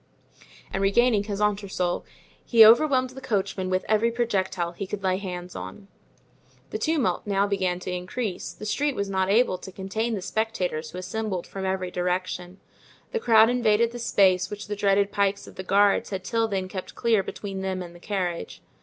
And regaining his entresol he overwhelmed the coachman with every projectile he could lay hands on. The tumult now began to increase; the street was not able to contain the spectators who assembled from every direction; the crowd invaded the space which the dreaded pikes of the guards had till then kept clear between them and the carriage.